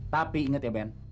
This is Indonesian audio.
tapi inget ya ben